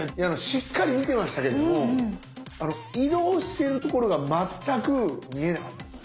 しっかり見てましたけれども移動しているところが全く見えなかった。